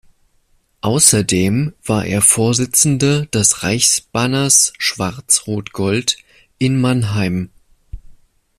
Außerdem war er Vorsitzender des Reichsbanners Schwarz-Rot-Gold in Mannheim.